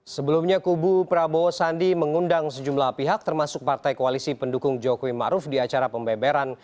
sebelumnya kubu prabowo sandi mengundang sejumlah pihak termasuk partai koalisi pendukung jokowi maruf di acara pembeberan